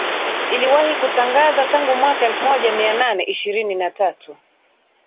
iliwahi kutangaza tangu mwaka elfumoja mianane ishirini na tatu